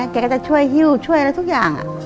เกรย์ก็จะช่วยช่วยทุกอย่าง